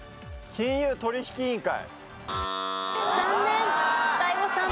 金融消費委員会。